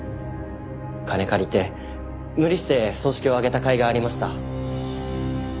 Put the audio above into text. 金借りて無理して葬式を挙げたかいがありました。